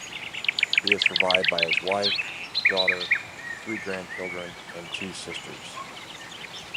He is survived by his wife, daughter, three grandchildren and two sisters.